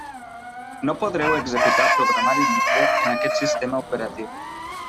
No podreu executar programari lliure en aquest sistema operatiu.